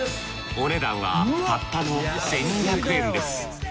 お値段はたったの１，２００円です。